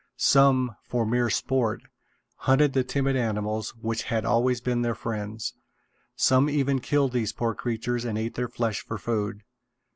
Some, for mere sport, hunted the timid animals which had always been their friends. Some even killed these poor creatures and ate their flesh for food.